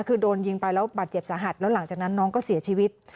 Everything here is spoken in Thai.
คือโดนยิงไปแล้วบาดเจ็บสาหัสแล้วหลังจากนั้นน้องก็เสียชีวิต